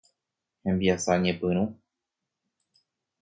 Hembiasa ñepyrũ.